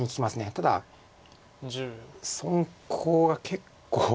ただ損コウが結構。